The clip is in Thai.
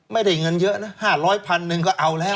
ไม่ได้เงินเยอะนะ๕๐๐พันหนึ่งก็เอาแล้ว